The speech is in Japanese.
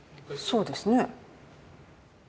そうですね。